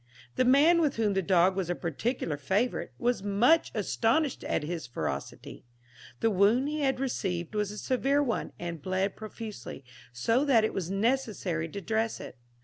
The man, with whom the dog was a particular favourite, was much astonished at his ferocity. The wound he had received was a severe one, and bled profusely, so that it was necessary to dress it.